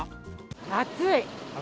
暑い！